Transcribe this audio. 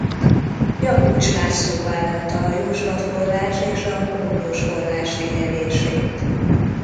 Jakucs László vállalta a Jósva-forrás és a Komlós-forrás figyelését.